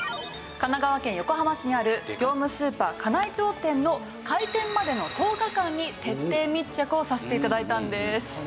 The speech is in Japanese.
神奈川県横浜市にある業務スーパー金井町店の開店までの１０日間に徹底密着をさせて頂いたんです。